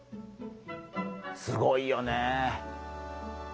すごいよね。